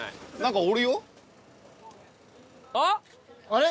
あれ？